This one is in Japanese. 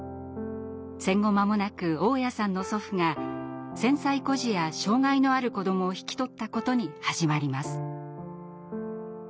戦後間もなく雄谷さんの祖父が戦災孤児や障害のある子どもを引き取ったことに始まります。